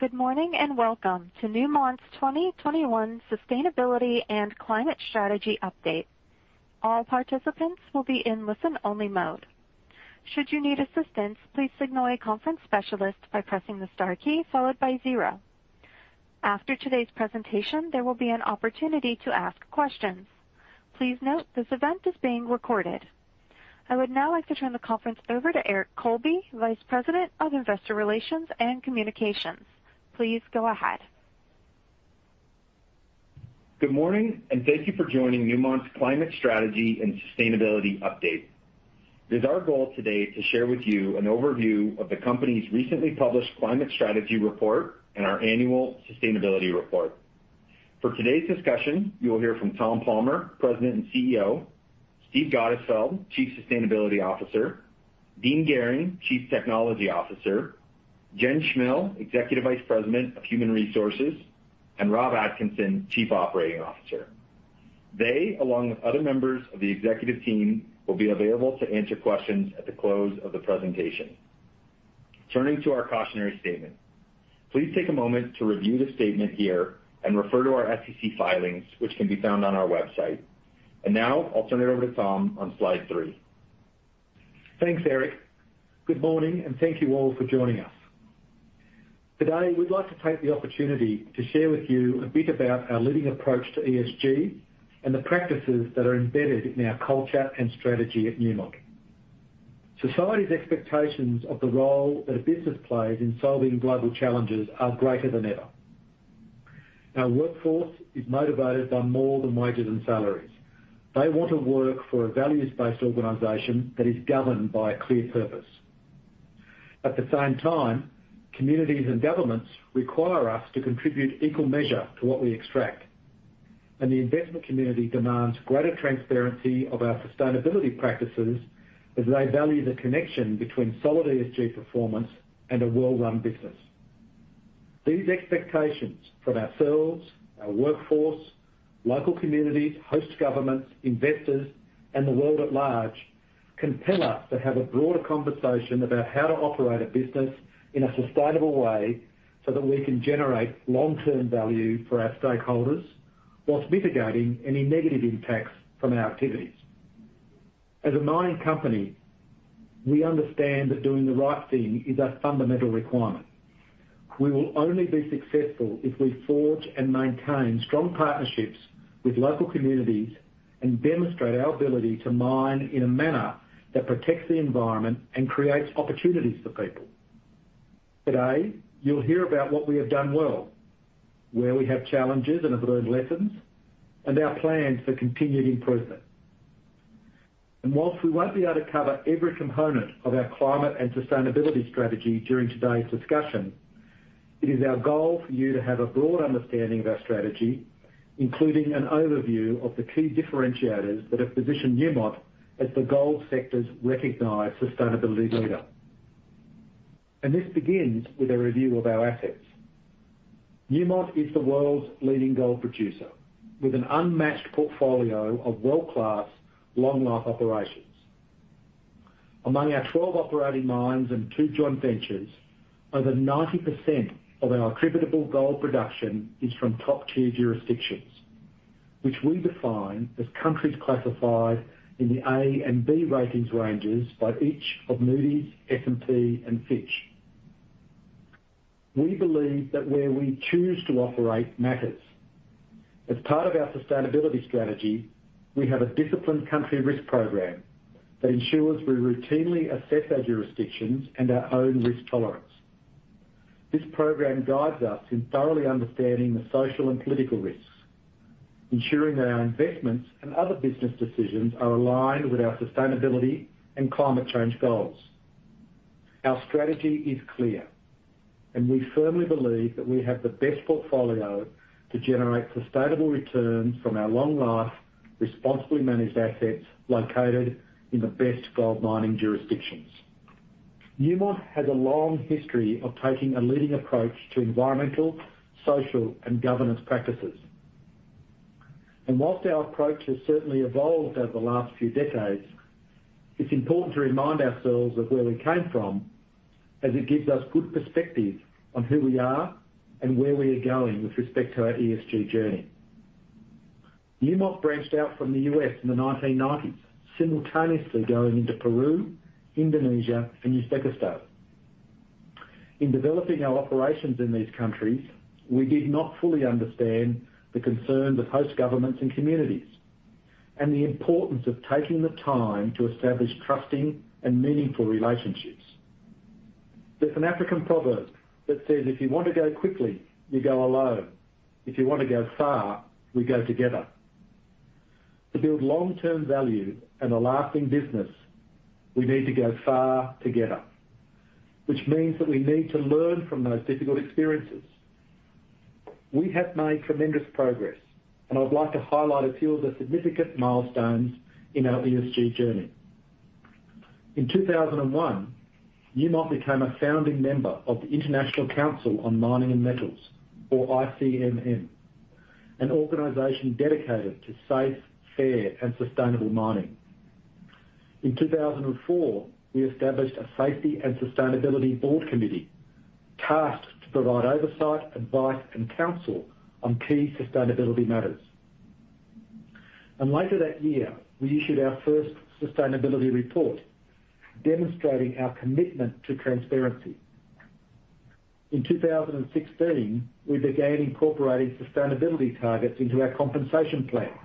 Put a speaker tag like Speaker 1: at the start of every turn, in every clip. Speaker 1: Good morning and welcome to Newmont's 2021 Sustainability and Climate Strategy Update. All participants will be in listen-only mode. Should you need assistance, please signal a conference specialist by pressing the star key followed by zero. After today's presentation, there will be an opportunity to ask questions. Please note this event is being recorded. I would now like to turn the conference over to Eric Colby, Vice President of Investor Relations and Communications. Please go ahead.
Speaker 2: Good morning, and thank you for joining Newmont's Climate Strategy and Sustainability Update. It is our goal today to share with you an overview of the company's recently published Climate Strategy Report and our annual Sustainability Report. For today's discussion, you'll hear from Tom Palmer, President and CEO, Steve Gottesfeld, Chief Sustainability Officer, Dean Gehring, Chief Technology Officer, Jen Cmil, Executive Vice President of Human Resources, and Rob Atkinson, Chief Operating Officer. They, along with other members of the executive team, will be available to answer questions at the close of the presentation. Turning to our cautionary statement. Please take a moment to review the statement here and refer to our SEC filings, which can be found on our website. Now I'll turn it over to Tom on slide three.
Speaker 3: Thanks, Eric. Good morning, and thank you all for joining us. Today, we'd like to take the opportunity to share with you a bit about our leading approach to ESG and the practices that are embedded in our culture and strategy at Newmont. Society's expectations of the role that a business plays in solving global challenges are greater than ever. Our workforce is motivated by more than wages and salaries. They want to work for a values-based organization that is governed by a clear purpose. At the same time, communities and governments require us to contribute equal measure to what we extract, and the investment community demands greater transparency of our sustainability practices as they value the connection between solid ESG performance and a well-run business. These expectations for ourselves, our workforce, local communities, host governments, investors, and the world at large compel us to have a broader conversation about how to operate a business in a sustainable way so that we can generate long-term value for our stakeholders while mitigating any negative impacts from our activities. As a mining company, we understand that doing the right thing is a fundamental requirement. We will only be successful if we forge and maintain strong partnerships with local communities and demonstrate our ability to mine in a manner that protects the environment and creates opportunities for people. Today, you'll hear about what we have done well, where we have challenges and have learned lessons, and our plans for continued improvement. Whilst we won't be able to cover every component of our climate and sustainability strategy during today's discussion, it is our goal for you to have a broad understanding of our strategy, including an overview of the key differentiators that have positioned Newmont as the gold sector's recognized sustainability leader. This begins with a review of our assets. Newmont is the world's leading gold producer with an unmatched portfolio of world-class, long-life operations. Among our 12 operating mines and two joint ventures, over 90% of our attributable gold production is from top-tier jurisdictions, which we define as countries classified in the A and B ratings ranges by each of Moody's, S&P, and Fitch. We believe that where we choose to operate matters. As part of our sustainability strategy, we have a disciplined country risk program that ensures we routinely assess our jurisdictions and our own risk tolerance. This program guides us in thoroughly understanding the social and political risks, ensuring that our investments and other business decisions are aligned with our sustainability and climate change goals. Our strategy is clear, and we firmly believe that we have the best portfolio to generate sustainable returns from our long-life, responsibly managed assets located in the best gold mining jurisdictions. Newmont has a long history of taking a leading approach to environmental, social, and governance practices. While our approach has certainly evolved over the last few decades, it's important to remind ourselves of where we came from, as it gives us a good perspective on who we are and where we are going with respect to our ESG journey. Newmont branched out from the U.S. in the 1990s, simultaneously going into Peru, Indonesia, and Uzbekistan. In developing our operations in these countries, we did not fully understand the concerns of host governments and communities and the importance of taking the time to establish trusting and meaningful relationships. There's an African proverb that says, "If you want to go quickly, you go alone. If you want to go far, we go together." To build long-term value and a lasting business, we need to go far together, which means that we need to learn from those difficult experiences. We have made tremendous progress, and I'd like to highlight a few of the significant milestones in our ESG journey. In 2001, Newmont became a founding member of the International Council on Mining and Metals, or ICMM, an organization dedicated to safe, fair, and sustainable mining. In 2004, we established a Safety and Sustainability Committee tasked to provide oversight, advice, and counsel on key sustainability matters. Later that year, we issued our first Sustainability Report demonstrating our commitment to transparency. In 2016, we began incorporating sustainability targets into our compensation plans,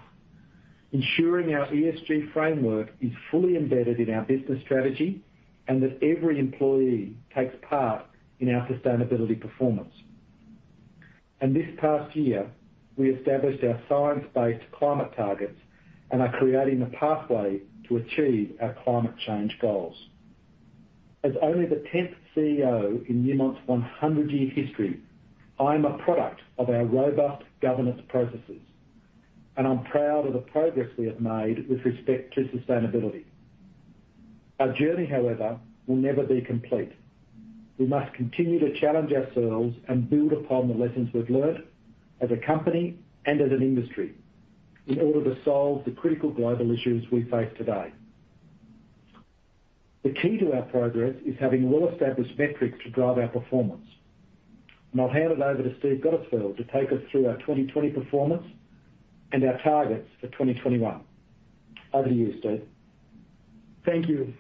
Speaker 3: ensuring our ESG framework is fully embedded in our business strategy and that every employee takes part in our sustainability performance. This past year, we established our science-based climate targets and are creating the pathway to achieve our climate change goals. As only the 10th CEO in Newmont's 100-year history, I'm a product of our robust governance processes, and I'm proud of the progress we have made with respect to sustainability. Our journey, however, will never be complete. We must continue to challenge ourselves and build upon the lessons we've learned as a company and as an industry in order to solve the critical global issues we face today. The key to our progress is having well-established metrics to drive our performance. I'll hand it over to Steve Gottesfeld to take us through our 2020 performance and our targets for 2021. Over to you, Steve.
Speaker 4: Thank you.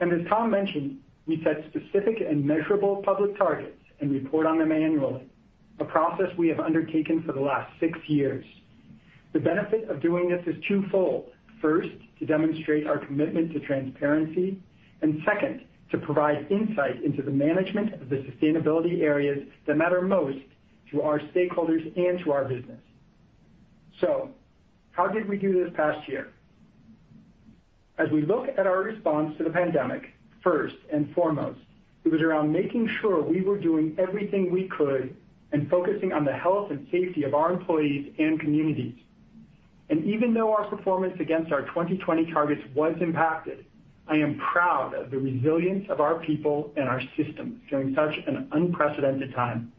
Speaker 4: As Tom mentioned, we set specific and measurable public targets and report on them annually, a process we have undertaken for the last six years. The benefit of doing this is twofold. First, to demonstrate our commitment to transparency. Second, to provide insight into the management of the sustainability areas that matter most to our stakeholders and to our business. How did we do this past year? As we look at our response to the pandemic, first and foremost, it was around making sure we were doing everything we could and focusing on the health and safety of our employees and communities. Even though our performance against our 2020 targets was impacted, I am proud of the resilience of our people and our systems during such an unprecedented time.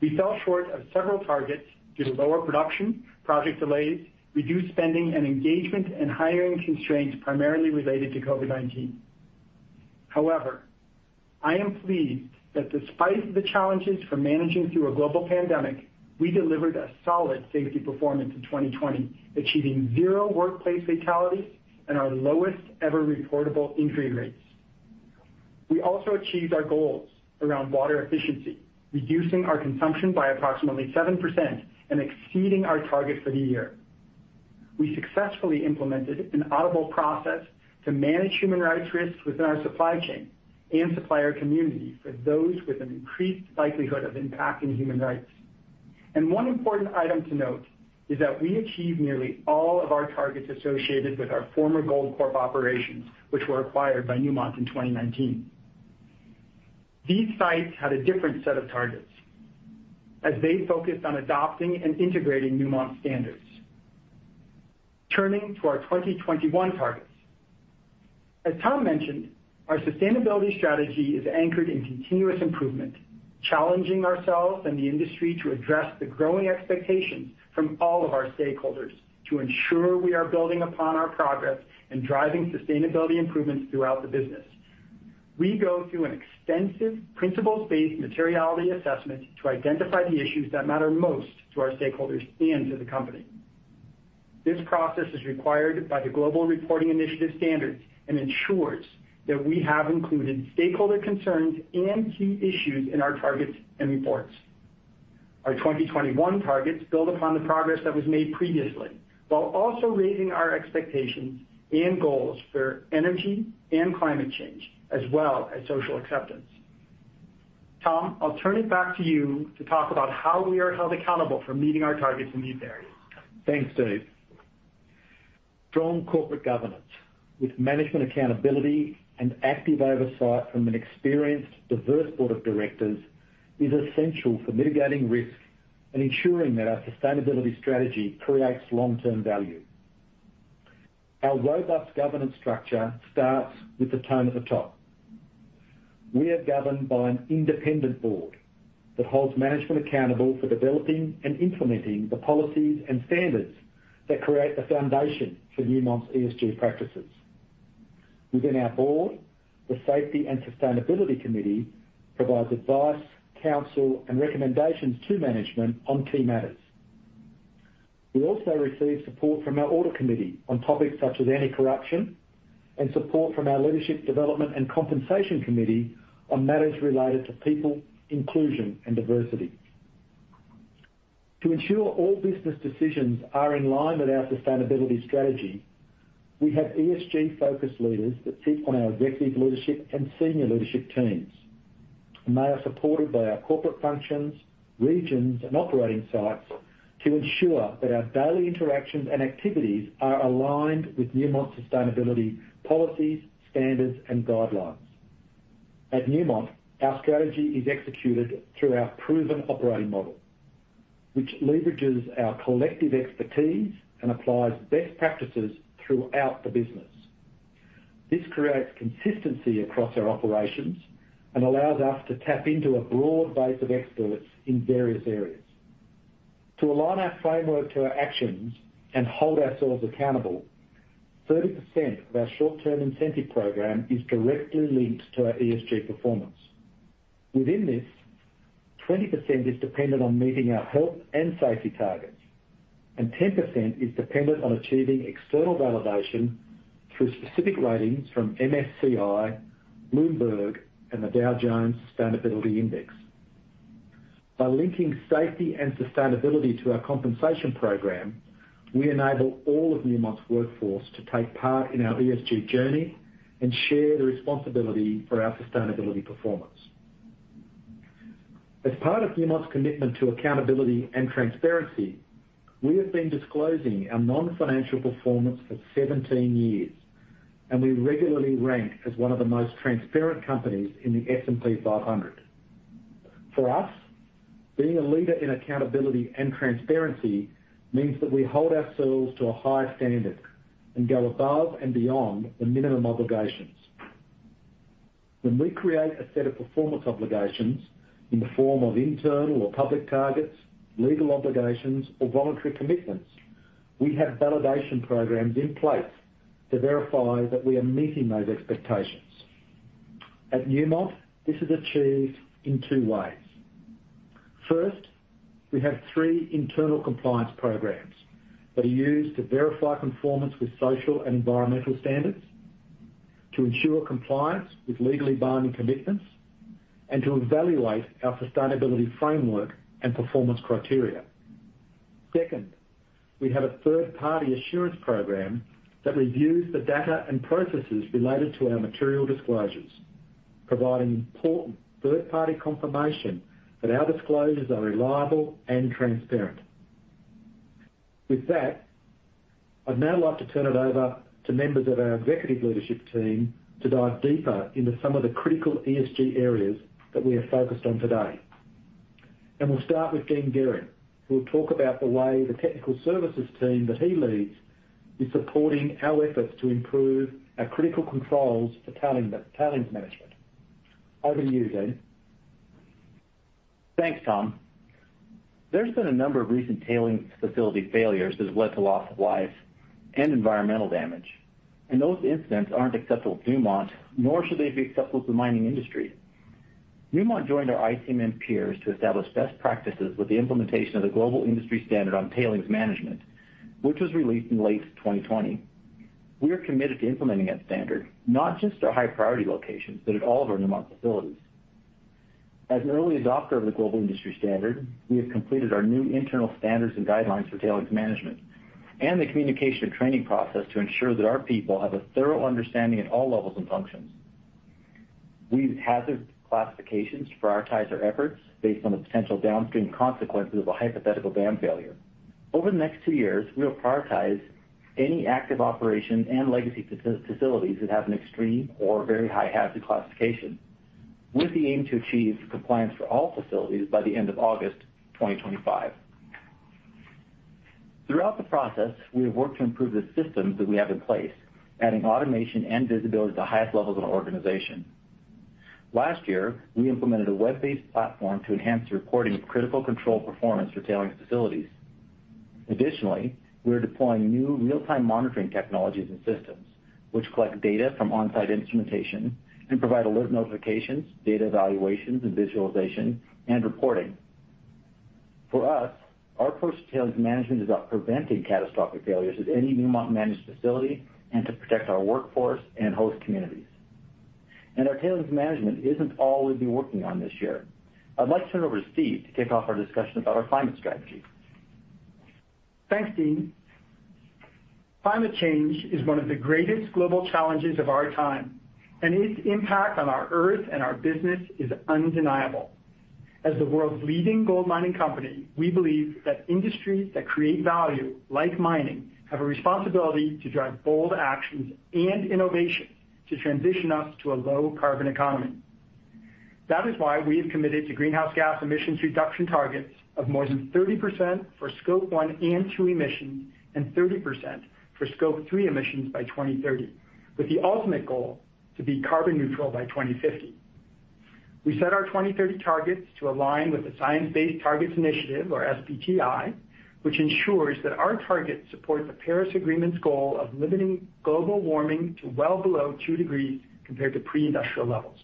Speaker 4: We fell short of several targets due to lower production, project delays, reduced spending, and engagement and hiring constraints primarily related to COVID-19. However, I am pleased that despite the challenges from managing through a global pandemic, we delivered a solid safety performance in 2020, achieving zero workplace fatalities and our lowest-ever reportable injury rates. We also achieved our goals around water efficiency, reducing our consumption by approximately 7% and exceeding our target for the year. We successfully implemented an auditable process to manage human rights risks within our supply chain and supplier communities for those with an increased likelihood of impacting human rights. One important item to note is that we achieved nearly all of our targets associated with our former Goldcorp operations, which were acquired by Newmont in 2019. These sites had a different set of targets as they focused on adopting and integrating Newmont standards. Turning to our 2021 targets. As Tom mentioned, our sustainability strategy is anchored in continuous improvement, challenging ourselves and the industry to address the growing expectations from all of our stakeholders to ensure we are building upon our progress and driving sustainability improvements throughout the business. We go through an extensive principles-based materiality assessment to identify the issues that matter most to our stakeholders and to the company. This process is required by the Global Reporting Initiative Standards and ensures that we have included stakeholder concerns and key issues in our targets and reports. Our 2021 targets build upon the progress that was made previously while also raising our expectations and goals for energy and climate change, as well as social acceptance. Tom, I'll turn it back to you to talk about how we are held accountable for meeting our targets in these areas.
Speaker 3: Thanks, Steve. Strong corporate governance with management accountability and active oversight from an experienced, diverse board of directors is essential for mitigating risks and ensuring that our sustainability strategy creates long-term value. Our robust governance structure starts with the tone at the top. We are governed by an independent board that holds management accountable for developing and implementing the policies and standards that create the foundation for Newmont's ESG practices. Within our board, the Safety and Sustainability Committee provides advice, counsel, and recommendations to management on key matters. We also receive support from our audit committee on topics such as anti-corruption and support from our leadership development and compensation committee on matters related to people, inclusion, and diversity. To ensure all business decisions are in line with our sustainability strategy, we have ESG-focused leaders who sit on our executive leadership and senior leadership teams, and they are supported by our corporate functions, regions, and operating sites to ensure that our daily interactions and activities are aligned with Newmont's sustainability policies, standards, and guidelines. At Newmont, our strategy is executed through our proven operating model, which leverages our collective expertise and applies best practices throughout the business. This creates consistency across our operations and allows us to tap into a broad base of experts in various areas. To align our framework with our actions and hold ourselves accountable, 30% of our short-term incentive program is directly linked to our ESG performance. Within this, 20% is dependent on meeting our health and safety targets, and 10% is dependent on achieving external validation through specific ratings from MSCI, Bloomberg, and the Dow Jones Sustainability Index. By linking safety and sustainability to our compensation program, we enable all of Newmont's workforce to take part in our ESG journey and share the responsibility for our sustainability performance. As part of Newmont's commitment to accountability and transparency, we have been disclosing our non-financial performance for 17 years, and we regularly rank as one of the most transparent companies in the S&P 500. For us, being a leader in accountability and transparency means that we hold ourselves to a high standard and go above and beyond the minimum obligations. When we create a set of performance obligations in the form of internal or public targets, legal obligations, or voluntary commitments, we have validation programs in place to verify that we are meeting those expectations. At Newmont, this is achieved in two ways. First, we have three internal compliance programs that are used to verify conformance with social and environmental standards, to ensure compliance with legally binding commitments, and to evaluate our sustainability framework and performance criteria. Second, we have a third-party assurance program that reviews the data and processes related to our material disclosures, providing important third-party confirmation that our disclosures are reliable and transparent. With that, I'd now like to turn it over to members of our executive leadership team to dive deeper into some of the critical ESG areas that we are focused on today. We'll start with Dean Gehring, who will talk about the way the technical services team that he leads is supporting our efforts to improve our critical controls for tailings management. Over to you, Dean.
Speaker 5: Thanks, Tom. There have been a number of recent tailings facility failures that have led to loss of life and environmental damage, and those incidents aren't acceptable to Newmont, nor should they be acceptable to the mining industry. Newmont joined our ICMM peers to establish best practices with the implementation of the Global Industry Standard on Tailings Management, which was released in late 2020. We are committed to implementing that standard, not just at our high-priority locations, but at all of our Newmont facilities. As an early adopter of the Global Industry Standard, we have completed our new internal standards and guidelines for tailings management and the communication training process to ensure that our people have a thorough understanding at all levels and functions. We use hazard classifications to prioritize our efforts based on the potential downstream consequences of a hypothetical dam failure. Over the next two years, we'll prioritize any active operation and legacy facilities that have an extreme or very high hazard classification, with the aim to achieve compliance for all facilities by the end of August 2025. Throughout the process, we have worked to improve the systems that we have in place, adding automation and visibility to the highest levels of the organization. Last year, we implemented a web-based platform to enhance the recording of critical control performance for tailings facilities. Additionally, we are deploying new real-time monitoring technologies and systems, which collect data from on-site instrumentation and provide alert notifications, data evaluations, and visualization and reporting. For us, our approach to tailings management is about preventing catastrophic failures at any Newmont-managed facility and protecting our workforce and host communities. Our tailings management isn't all we've been working on this year. I'd like to turn it over to Steve to kick off our discussion about our climate strategy.
Speaker 4: Thanks, Dean. Climate change is one of the greatest global challenges of our time, and its impact on our Earth and our business is undeniable. As the world's leading gold mining company, we believe that industries that create value, like mining, have a responsibility to drive bold actions and innovation to transition us to a low-carbon economy. That is why we have committed to greenhouse gas emissions reduction targets of more than 30% for Scope 1 and 2 emissions and 30% for Scope 3 emissions by 2030, with the ultimate goal to be carbon neutral by 2050. We set our 2030 targets to align with the Science Based Targets initiative, or SBTi, which ensures that our targets support the Paris Agreement's goal of limiting global warming to well below 2°C compared to pre-industrial levels.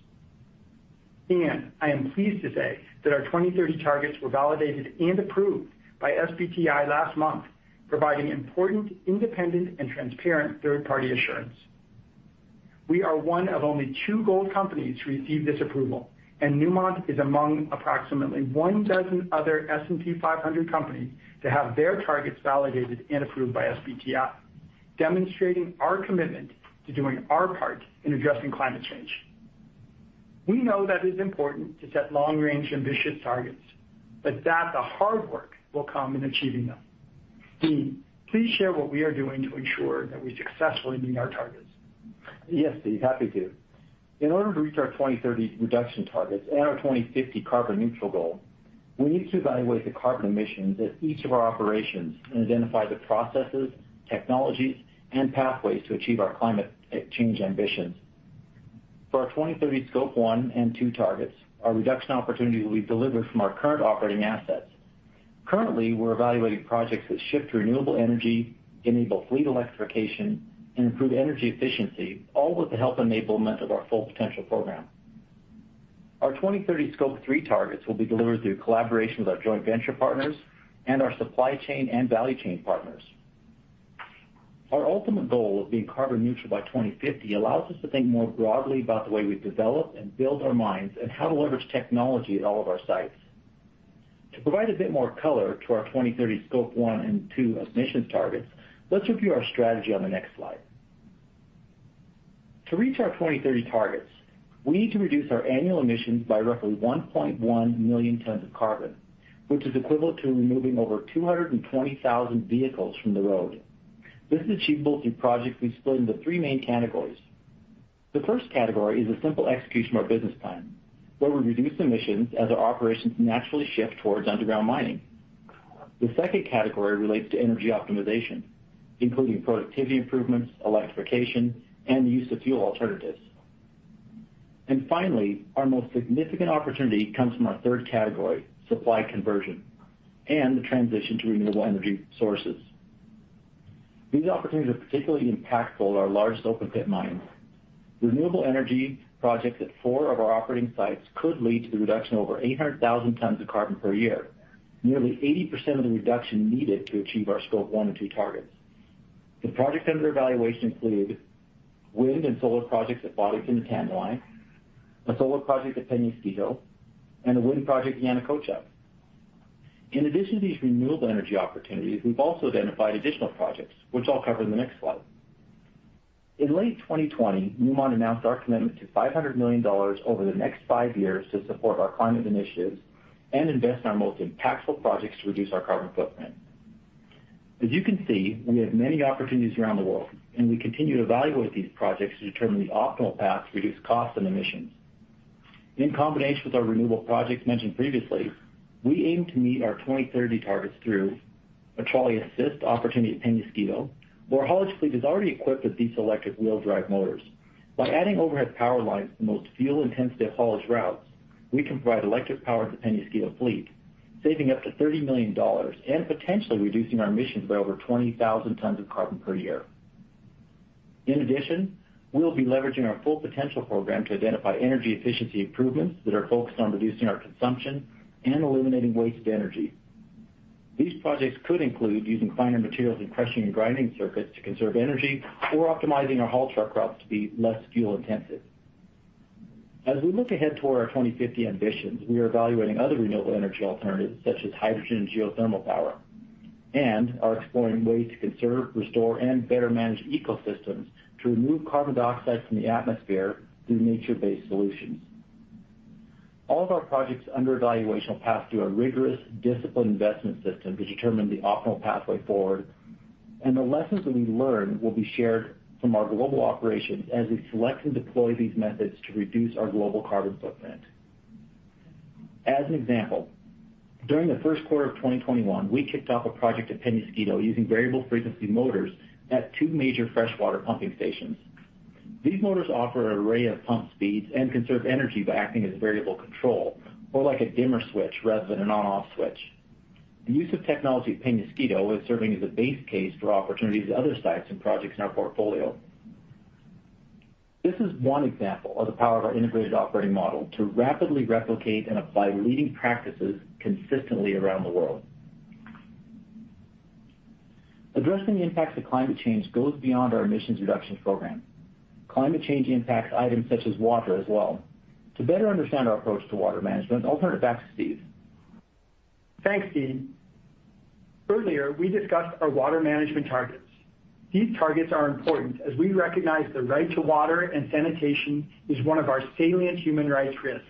Speaker 4: I am pleased to say that our 2030 targets were validated and approved by SBTi last month, providing important, independent, and transparent third-party assurance. We are one of only two gold companies to receive this approval, and Newmont is among approximately one dozen other S&P 500 companies to have their targets validated and approved by SBTi, demonstrating our commitment to doing our part in addressing climate change. We know that it's important to set long-range ambitious targets, but that the hard work will come in achieving them. Dean, please share what we are doing to ensure that we successfully meet our targets.
Speaker 5: Yes, Steve. Happy to. In order to reach our 2030 reduction targets and our 2050 carbon-neutral goal, we need to evaluate the carbon emissions at each of our operations and identify the processes, technologies, and pathways to achieve our climate change ambitions. For our 2030 Scope 1 and 2 targets, our reduction opportunity will be delivered from our current operating assets. Currently, we're evaluating projects that shift renewable energy, enable fleet electrification, and improve energy efficiency, all with the help enablement of our Full Potential program. Our 2030 Scope 3 targets will be delivered through collaboration with our joint venture partners and our supply chain and value chain partners. Our ultimate goal of being carbon neutral by 2050 allows us to think more broadly about the way we develop and build our mines and how to leverage technology at all of our sites. To provide a bit more color to our 2030 Scope 1 and 2 emissions targets, let's review our strategy on the next slide. To reach our 2030 targets, we need to reduce our annual emissions by roughly 1.1 million tons of carbon, which is equivalent to removing over 220,000 vehicles from the road. This is achievable through projects we've split into three main categories. The first category is a simple execution of our business plan, where we reduce emissions as our operations naturally shift towards underground mining. The second category relates to energy optimization, including productivity improvements, electrification, and the use of fuel alternatives. Finally, our most significant opportunity comes from our third category, supply conversion and the transition to renewable energy sources. These opportunities are particularly impactful at our largest open-pit mines. Renewable energy projects at four of our operating sites could lead to the reduction of over 800,000 tons of carbon per year, nearly 80% of the reduction needed to achieve our Scope 1 and 2 targets. The projects under evaluation include wind and solar projects at Boddington and Tanami, a solar project at Peñasquito, and a wind project at Yanacocha. In addition to these renewable energy opportunities, we've also identified additional projects, which I'll cover in the next slide. In late 2020, Newmont announced our commitment to $500 million over the next five years to support our climate initiatives and invest in our most impactful projects to reduce our carbon footprint. As you can see, we have many opportunities around the world, and we continue to evaluate these projects to determine the optimal path to reduce costs and emissions. In combination with our renewable projects mentioned previously, we aim to meet our 2030 targets through a trolley assist opportunity at Peñasquito, where our haulage fleet is already equipped with these electric wheel drive motors. By adding overhead power lines to the most fuel-intensive haulage routes, we can provide electric power to the Peñasquito fleet, saving up to $30 million and potentially reducing our emissions by over 20,000 tons of carbon per year. In addition, we'll be leveraging our Full Potential program to identify energy efficiency improvements that are focused on reducing our consumption and eliminating wasted energy. These projects could include using finer materials in crushing and grinding circuits to conserve energy or optimizing our haul truck routes to be less fuel-intensive. As we look ahead toward our 2050 ambitions, we are evaluating other renewable energy alternatives such as hydrogen and geothermal power, and are exploring ways to conserve, restore, and better manage ecosystems to remove carbon dioxide from the atmosphere through nature-based solutions. All of our projects under evaluation will pass through a rigorous, disciplined investment system to determine the optimal pathway forward, and the lessons that we learn will be shared from our global operations as we select and deploy these methods to reduce our global carbon footprint. As an example, during the first quarter of 2021, we kicked off a project at Peñasquito using variable frequency drives at two major freshwater pumping stations. These motors offer an array of pump speeds and conserve energy by acting as variable control, or like a dimmer switch rather than an on/off switch. The use of technology at Peñasquito is serving as a base case for opportunities at other sites and projects in our portfolio. This is one example of the power of our integrated operating model to rapidly replicate and apply leading practices consistently around the world. Addressing the impacts of climate change goes beyond our emissions reduction program. Climate change impacts items such as water as well. To better understand our approach to water management, I'll turn it back to Steve.
Speaker 4: Thanks, Dean. Earlier, we discussed our water management targets. These targets are important as we recognize the right to water and sanitation is one of our salient human rights risks,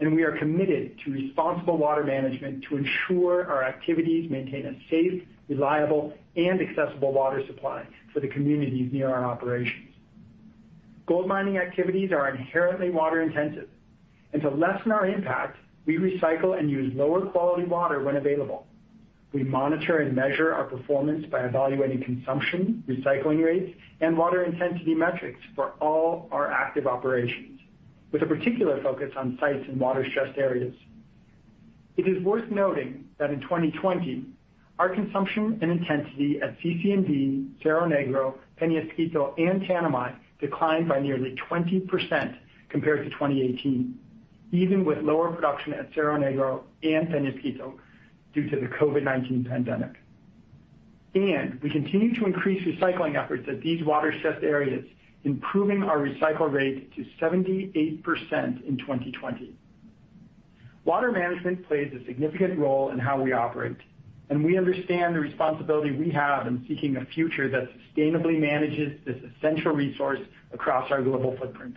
Speaker 4: and we are committed to responsible water management to ensure our activities maintain a safe, reliable, and accessible water supply for the communities near our operations. Gold mining activities are inherently water-intensive, and to lessen our impact, we recycle and use lower-quality water when available. We monitor and measure our performance by evaluating consumption, recycling rates, and water intensity metrics for all our active operations, with a particular focus on sites in water-stressed areas. It is worth noting that in 2020, our consumption and intensity at CC&V, Cerro Negro, Peñasquito, and Tanami declined by nearly 20% compared to 2018, even with lower production at Cerro Negro and Peñasquito due to the COVID-19 pandemic. We continue to increase recycling efforts at these water-stressed areas, improving our water recycled rate to 78% in 2020. Water management plays a significant role in how we operate, and we understand the responsibility we have in seeking a future that sustainably manages this essential resource across our global footprint.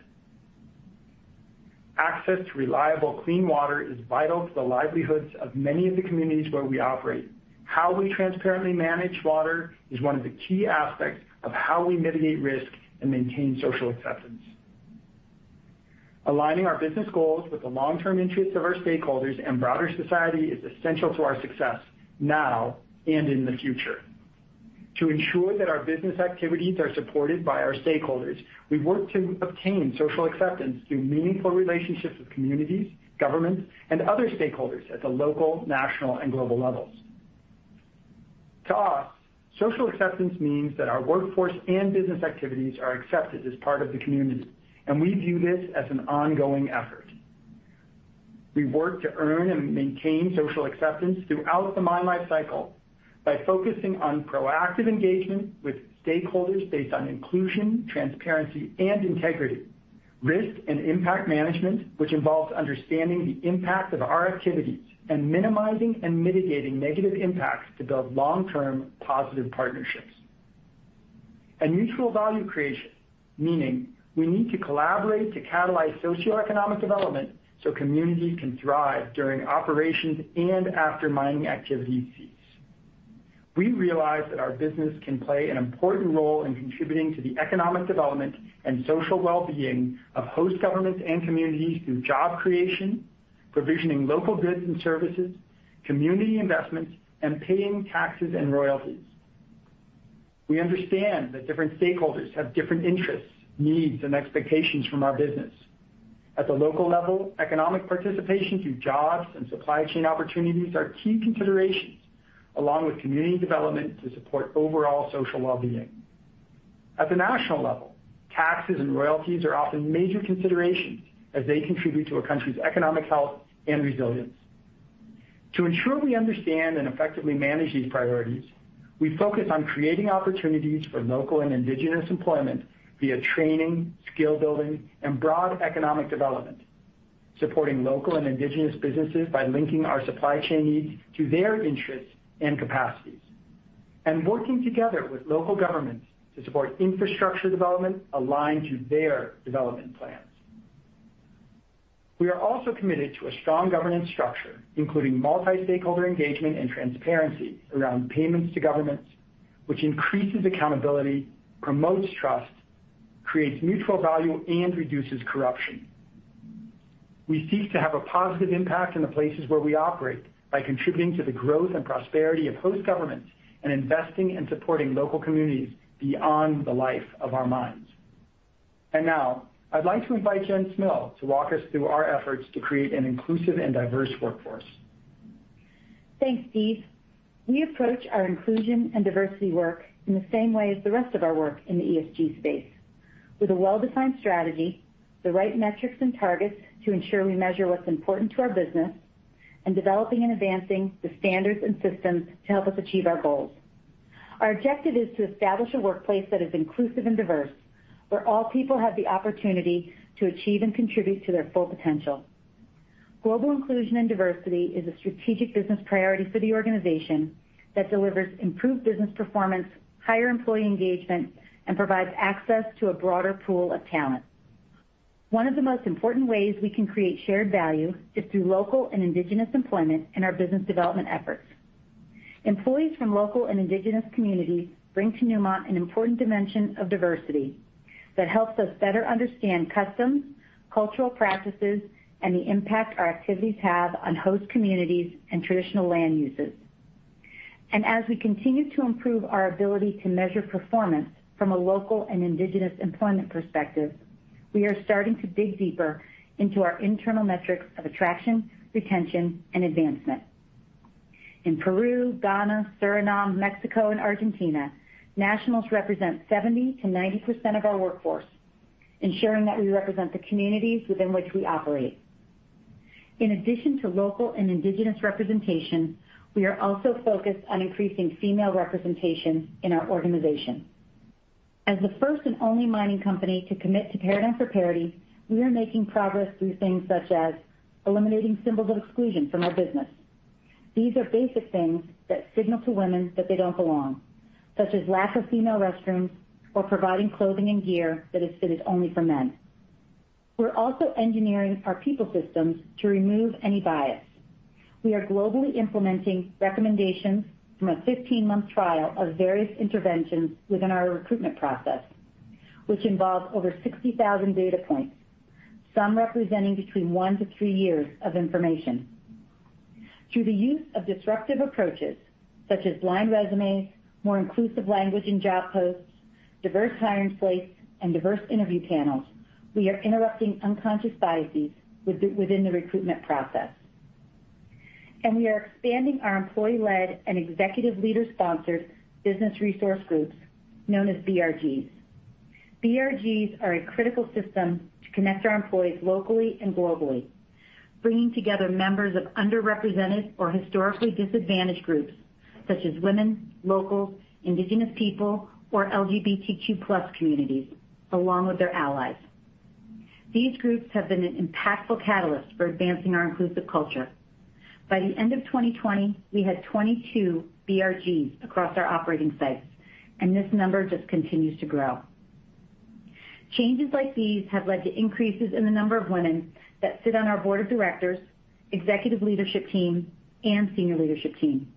Speaker 4: Access to reliable, clean water is vital to the livelihoods of many of the communities where we operate. How we transparently manage water is one of the key aspects of how we mitigate risk and maintain social acceptance. Aligning our business goals with the long-term interests of our stakeholders and broader society is essential to our success now and in the future. To ensure that our business activities are supported by our stakeholders, we work to obtain social acceptance through meaningful relationships with communities, governments, and other stakeholders at the local, national, and global levels. To us, social acceptance means that our workforce and business activities are accepted as part of the community, and we view this as an ongoing effort. We work to earn and maintain social acceptance throughout the mine life cycle by focusing on proactive engagement with stakeholders based on inclusion, transparency, and integrity. Risk and impact management, which involves understanding the impact of our activities and minimizing and mitigating negative impacts to build long-term positive partnerships. Mutual value creation means we need to collaborate to catalyze socioeconomic development, so communities can thrive during operations and after mining activities cease. We realize that our business can play an important role in contributing to the economic development and social well-being of host governments and communities through job creation, provisioning local goods and services, community investments, and paying taxes and royalties. We understand that different stakeholders have different interests, needs, and expectations from our business. At the local level, economic participation through jobs and supply chain opportunities is a key consideration, along with community development to support overall social well-being. At the national level, taxes and royalties are often major considerations as they contribute to a country's economic health and resilience. To ensure we understand and effectively manage these priorities, we focus on creating opportunities for local and indigenous employment via training, skill building, and broad economic development. Supporting local and indigenous businesses by linking our supply chain needs to their interests and capacities, and working together with local governments to support infrastructure development aligned to their development plans. We are also committed to a strong governance structure, including multi-stakeholder engagement and transparency around payments to governments, which increases accountability, promotes trust, creates mutual value, and reduces corruption. We seek to have a positive impact in the places where we operate by contributing to the growth and prosperity of host governments and investing in supporting local communities beyond the life of our mines. Now, I'd like to invite Jen Cmil to walk us through our efforts to create an inclusive and diverse workforce.
Speaker 6: Thanks, Steve. We approach our inclusion and diversity work in the same way as the rest of our work in the ESG space. With a well-defined strategy, the right metrics and targets to ensure we measure what's important to our business, and developing and advancing the standards and systems to help us achieve our goals. Our objective is to establish a workplace that is inclusive and diverse, where all people have the opportunity to achieve and contribute to their full potential. Global inclusion and diversity is a strategic business priority for the organization that delivers improved business performance, higher employee engagement, and provides access to a broader pool of talent. One of the most important ways we can create shared value is through local and indigenous employment in our business development efforts. Employees from local and indigenous communities bring to Newmont an important dimension of diversity that helps us better understand customs, cultural practices, and the impact our activities have on host communities and traditional land uses. As we continue to improve our ability to measure performance from a local and indigenous employment perspective, we are starting to dig deeper into our internal metrics of attraction, retention, and advancement. In Peru, Ghana, Suriname, Mexico, and Argentina, nationals represent 70%-90% of our workforce, ensuring that we represent the communities within which we operate. In addition to local and indigenous representation, we are also focused on increasing female representation in our organization. As the first and only mining company to commit to Paradigm for Parity, we are making progress through things such as eliminating symbols of exclusion from our business. These are basic things that signal to women that they don't belong, such as a lack of female restrooms or providing clothing and gear that are fitted only for men. We're also engineering our people systems to remove any bias. We are globally implementing recommendations from a 15-month trial of various interventions within our recruitment process, which involves over 60,000 data points, some representing between one and three years of information. Through the use of disruptive approaches such as blind resumes, more inclusive language in job posts, diverse hiring slates, and diverse interview panels, we are interrupting unconscious biases within the recruitment process. We are expanding our employee-led and executive leader-sponsored business resource groups, known as BRGs. BRGs are a critical system to connect our employees locally and globally, bringing together members of underrepresented or historically disadvantaged groups such as women, local, indigenous people, or LGBTQ+ communities, along with their allies. These groups have been an impactful catalyst for advancing our inclusive culture. By the end of 2020, we had 22 BRGs across our operating sites, and this number just continues to grow. Changes like these have led to increases in the number of women who sit on our board of directors, executive leadership team, and senior leadership team.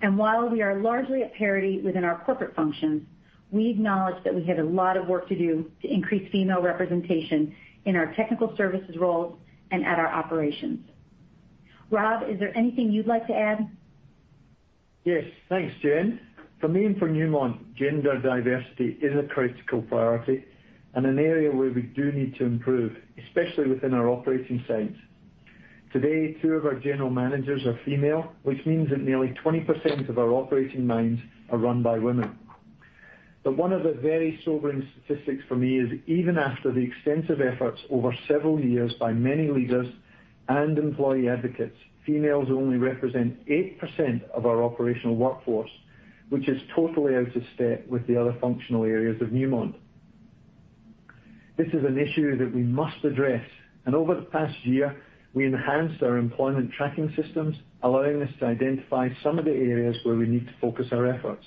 Speaker 6: While we are largely at parity within our corporate functions, we acknowledge that we have a lot of work to do to increase female representation in our technical services roles and at our operations. Rob, is there anything you'd like to add?
Speaker 7: Yes. Thanks, Jen. For me and for Newmont, gender diversity is a critical priority and an area where we do need to improve, especially within our operating sites. Today, two of our general managers are female, which means that nearly 20% of our operating mines are run by women. One of the very sobering statistics for me is, even after the extensive efforts over several years by many leaders and employee advocates, females only represent 8% of our operational workforce, which is totally out of step with the other functional areas of Newmont. This is an issue that we must address, and over the past year, we have enhanced our employment tracking systems, allowing us to identify some of the areas where we need to focus our efforts.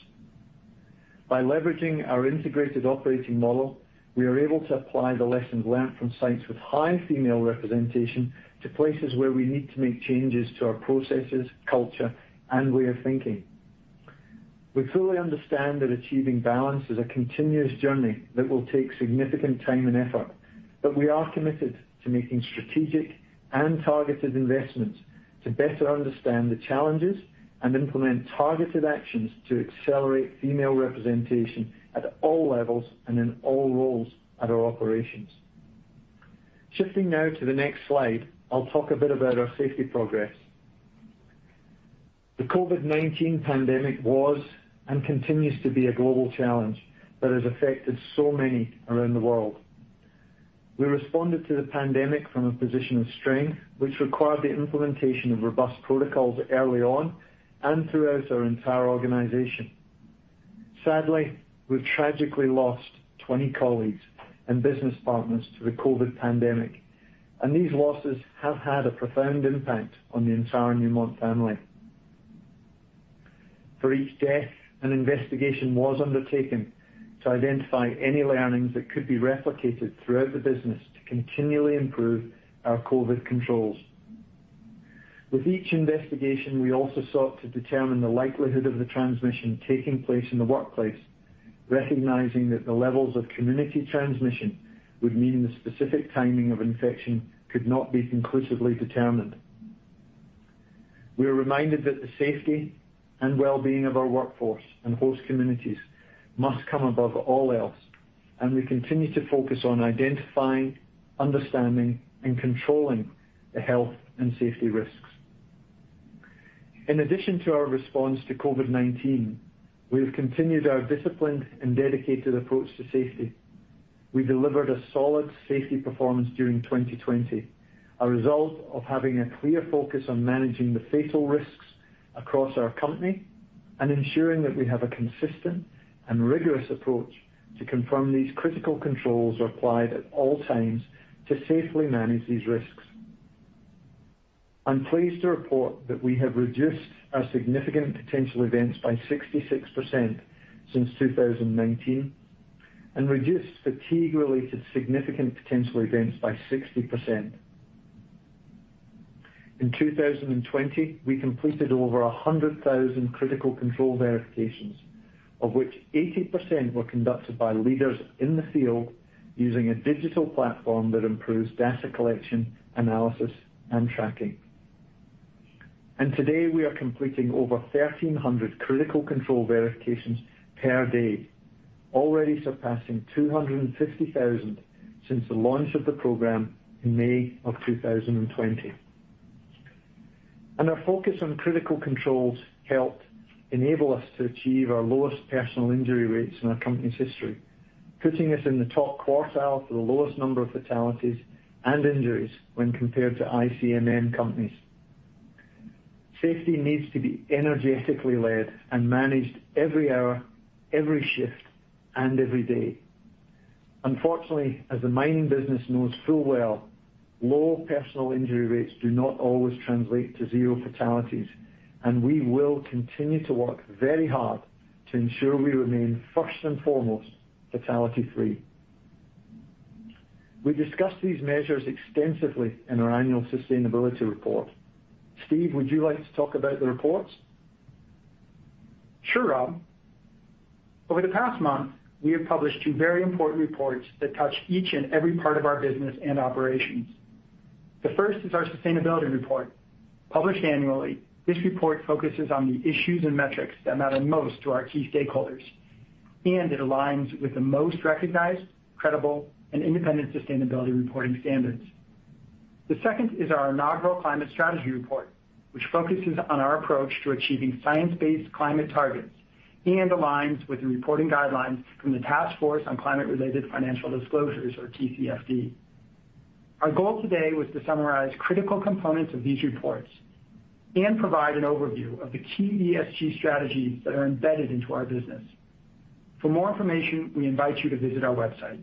Speaker 7: By leveraging our integrated operating model, we are able to apply the lessons learned from sites with high female representation to places where we need to make changes to our processes, culture, and way of thinking. We fully understand that achieving balance is a continuous journey that will take significant time and effort, but we are committed to making strategic and targeted investments to better understand the challenges and implement targeted actions to accelerate female representation at all levels and in all roles at our operations. Shifting now to the next slide, I'll talk a bit about our safety progress. The COVID-19 pandemic was and continues to be a global challenge that has affected so many around the world. We responded to the pandemic from a position of strength, which required the implementation of robust protocols early on and throughout our entire organization. Sadly, we've tragically lost 20 colleagues and business partners to the COVID-19 pandemic, and these losses have had a profound impact on the entire Newmont family. For each death, an investigation was undertaken to identify any learnings that could be replicated throughout the business to continually improve our COVID-19 controls. With each investigation, we also sought to determine the likelihood of the transmission taking place in the workplace, recognizing that the levels of community transmission would mean the specific timing of infection could not be conclusively determined. We are reminded that the safety and well-being of our workforce and host communities must come above all else, and we continue to focus on identifying, understanding, and controlling the health and safety risks. In addition to our response to COVID-19, we have continued our disciplined and dedicated approach to safety. We delivered a solid safety performance during 2020, a result of having a clear focus on managing the fatal risks across our company and ensuring that we have a consistent and rigorous approach to confirm these critical controls are applied at all times to safely manage these risks. I'm pleased to report that we have reduced our significant potential events by 66% since 2019 and reduced fatigue-related significant potential events by 60%. In 2020, we completed over 100,000 critical control verifications, of which 80% were conducted by leaders in the field using a digital platform that improves data collection, analysis, and tracking. Today, we are completing over 1,300 critical control verifications per day, already surpassing 250,000 since the launch of the program in May of 2020. Our focus on critical controls helped enable us to achieve our lowest personal injury rates in our company's history, putting us in the top quartile for the lowest number of fatalities and injuries when compared to ICMM companies. Safety needs to be energetically led and managed every hour, every shift, and every day. Unfortunately, as the mining business knows so well, low personal injury rates do not always translate to zero fatalities, and we will continue to work very hard to ensure we remain first and foremost fatality-free. We discuss these measures extensively in our annual Sustainability Report. Steve, would you like to talk about the reports?
Speaker 4: Sure, Rob. Over the past month, we have published two very important reports that touch each and every part of our business and operations. The first is our Sustainability Report. Published annually, this report focuses on the issues and metrics that matter most to our key stakeholders, and it aligns with the most recognized, credible, and independent sustainability reporting standards. The second is our inaugural Climate Strategy Report, which focuses on our approach to achieving science-based climate targets and aligns with the reporting guidelines from the Task Force on Climate-related Financial Disclosures, or TCFD. Our goal today was to summarize critical components of these reports and provide an overview of the key ESG strategies that are embedded into our business. For more information, we invite you to visit our website.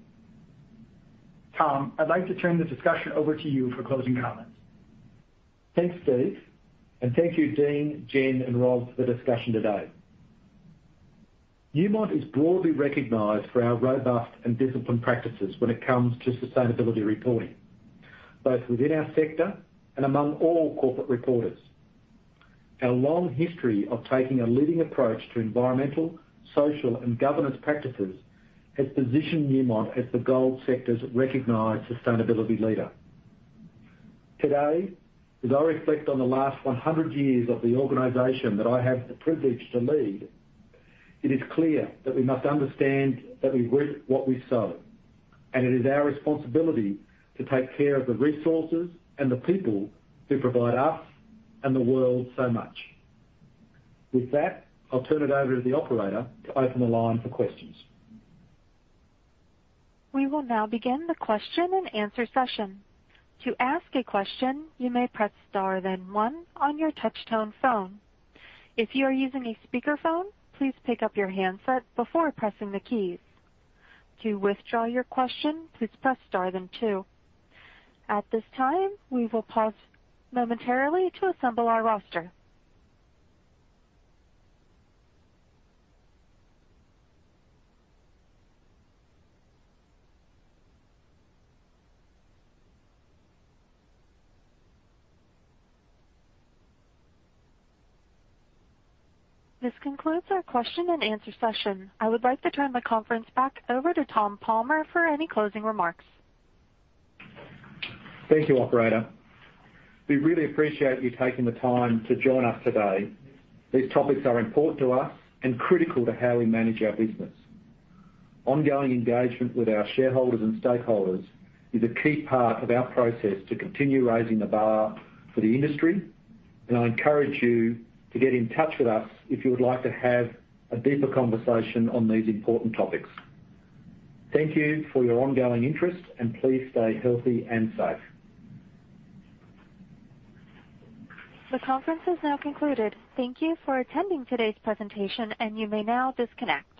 Speaker 4: Tom, I'd like to turn the discussion over to you for closing comments.
Speaker 3: Thanks, Steve, and thank you, Dean, Jen, and Rob, for the discussion today. Newmont is broadly recognized for our robust and disciplined practices when it comes to sustainability reporting, both within our sector and among all corporate reporters. Our long history of taking a leading approach to environmental, social, and governance practices has positioned Newmont as the gold sector's recognized sustainability leader. Today, as I reflect on the last 100 years of the organization that I have the privilege to lead, it is clear that we must understand that we reap what we sow, and it is our responsibility to take care of the resources and the people who provide us and the world so much. With that, I'll turn it over to the operator to open the line for questions.
Speaker 1: We will now begin the question-and-answer session. To ask a question, you may press star, then one, on your touch-tone phone. If you are using a speakerphone, please pick up your handset before pressing the keys. To withdraw your question, press star, then two. At this time, we will pause momentarily to assemble our roster. This concludes our question-and-answer session. I would like to turn the conference back over to Tom Palmer for any closing remarks.
Speaker 3: Thank you, operator. We really appreciate you taking the time to join us today. These topics are important to us and critical to how we manage our business. Ongoing engagement with our shareholders and stakeholders is a key part of our process to continue raising the bar for the industry, and I encourage you to get in touch with us if you would like to have a deeper conversation on these important topics. Thank you for your ongoing interest, and please stay healthy and safe.
Speaker 1: The conference is now concluded. Thank you for attending today's presentation. You may now disconnect.